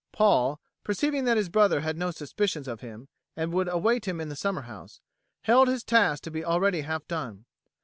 Paul, perceiving that his brother had no suspicions of him, and would await him in the summer house, held his task to be already half done.